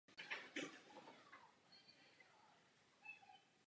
Maják je ve správě Norské pobřežní správy.